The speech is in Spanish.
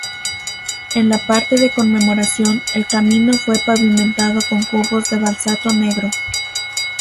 En la parte de conmemoración, el camino fue pavimentado con cubos de basalto negro.